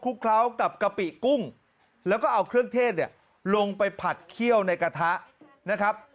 เคล้ากับกะปิกุ้งแล้วก็เอาเครื่องเทศเนี่ยลงไปผัดเคี่ยวในกระทะนะครับ